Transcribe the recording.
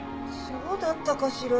そうだったかしら？